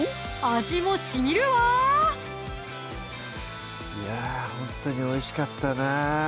味もしみるわほんとにおいしかったな